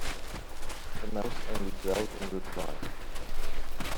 The Mouse only growled in reply.